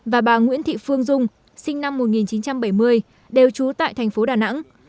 và bà nguyễn thị phương dung sinh năm một nghìn chín trăm bảy mươi đều trú tại thành phố đà nẵng